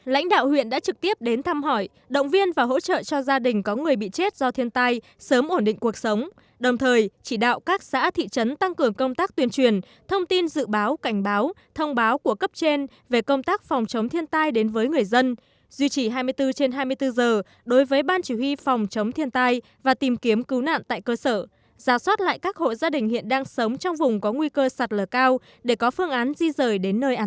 lãnh đạo huyện đã trực tiếp đến thăm hỏi động viên và hỗ trợ cho gia đình có người bị chết do thiên tai sớm ổn định cuộc sống đồng thời chỉ đạo các xã thị trấn tăng cường công tác tuyên truyền thông tin dự báo cảnh báo thông báo của cấp trên về công tác phòng chống thiên tai đến với người dân duy trì hai mươi bốn trên hai mươi bốn giờ đối với ban chỉ huy phòng chống thiên tai và tìm kiếm cứu nạn tại cơ sở giả soát lại các hội gia đình hiện đang sống trong vùng có nguy cơ sạt lở cao để có phương án di rời đến nơi an toàn